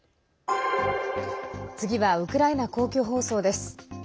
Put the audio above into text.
次はウクライナ公共放送です。